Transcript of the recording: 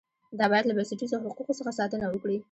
دا باید له بنسټیزو حقوقو څخه ساتنه وکړي.